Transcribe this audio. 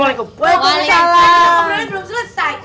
akhirnya programnya belum selesai